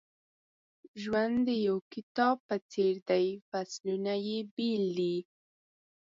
ژوند د یو کتاب په څېر دی فصلونه یې بېل دي.